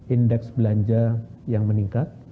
indeks belanja yang meningkat